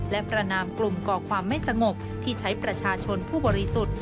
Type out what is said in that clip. และประนามกลุ่มก่อความไม่สงบที่ใช้ประชาชนผู้บริสุทธิ์